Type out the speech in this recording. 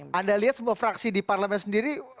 anda lihat semua fraksi di parlemen sendiri